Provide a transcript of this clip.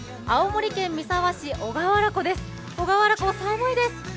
青森県三沢市・小川原湖です。